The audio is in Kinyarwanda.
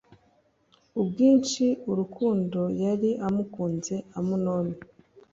ubwinshi urukundo yari amukunze Amunoni